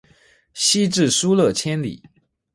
西至疏勒千里。